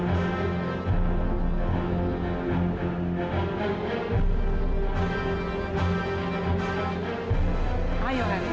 saya descriptive dia karena kalian heaven